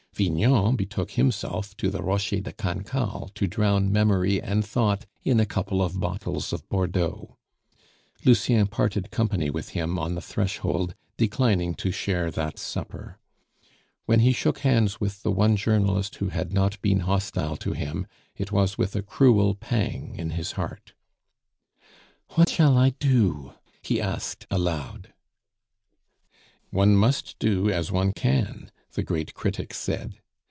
Vignon betook himself to the Rocher de Cancale to drown memory and thought in a couple of bottles of Bordeaux; Lucien parted company with him on the threshold, declining to share that supper. When he shook hands with the one journalist who had not been hostile to him, it was with a cruel pang in his heart. "What shall I do?" he asked aloud. "One must do as one can," the great critic said.